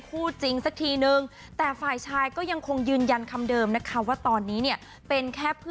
พอแล้วแหละพอแล้วแหละโอเค